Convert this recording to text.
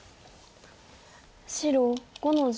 白５の十。